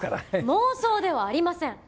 妄想ではありません。